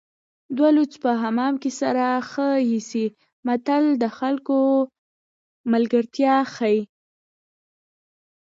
دوه لوڅ په حمام کې سره ښه ایسي متل د ورته خلکو ملګرتیا ښيي